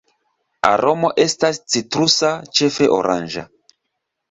Aromo estas citrusa, ĉefe oranĝa.